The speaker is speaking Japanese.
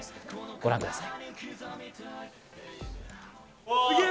ご覧ください。